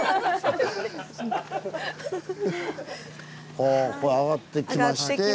ほぉこう上がってきまして